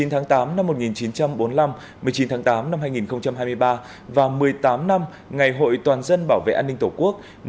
một mươi tháng tám năm một nghìn chín trăm bốn mươi năm một mươi chín tháng tám năm hai nghìn hai mươi ba và một mươi tám năm ngày hội toàn dân bảo vệ an ninh tổ quốc